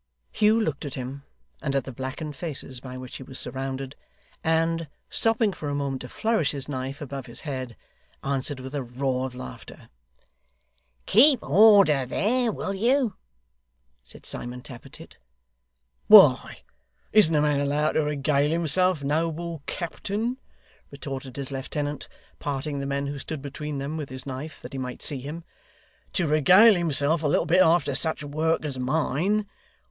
Hugh looked at him, and at the blackened faces by which he was surrounded, and, stopping for a moment to flourish his knife above his head, answered with a roar of laughter. 'Keep order, there, will you?' said Simon Tappertit. 'Why, isn't a man allowed to regale himself, noble captain,' retorted his lieutenant, parting the men who stood between them, with his knife, that he might see him, 'to regale himself a little bit after such work as mine?